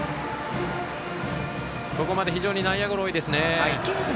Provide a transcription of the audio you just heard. ここまで非常に内野ゴロ多いですよね。